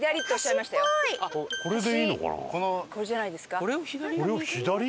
これじゃないですか？